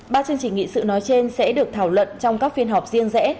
ba chương trình nghị sự nói trên sẽ được thảo luận trong các phiên họp riêng rẽ